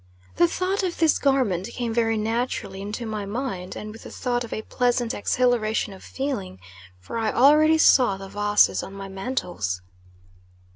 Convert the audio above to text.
The thought of this garment came very naturally into my mind, and with the thought a pleasant exhilaration of feeling, for I already saw the vases on my mantles.